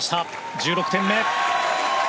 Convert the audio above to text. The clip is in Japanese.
１６点目。